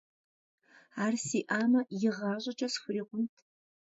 Ар сиӀамэ, игъащӀэкӀэ схурикъунт.